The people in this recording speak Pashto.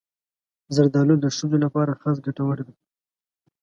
زردالو د ښځو لپاره خاص ګټور دی.